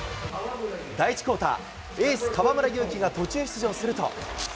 第１クオーター、エース、河村勇輝が途中出場すると。